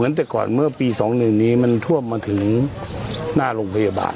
ตั้งแต่ก่อนเมื่อปี๒๑นี้มันท่วมมาถึงหน้าโรงพยาบาล